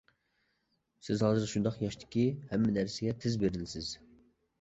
سىز ھازىر شۇنداق ياشتىكى، ھەممە نەرسىگە تېز بېرىلىسىز.